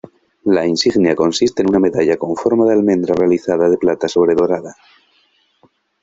La insignia consiste en una medalla con forma de almendra realizada de plata sobredorada.